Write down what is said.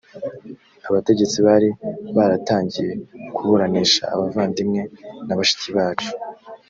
abategetsi bari baratangiye kuburanisha abavandimwe na bashiki bacu